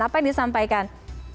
apa yang disampaikan